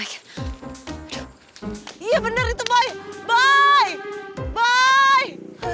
aduh iya bener itu boy boy boy